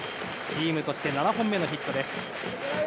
チームとして７本目のヒットです。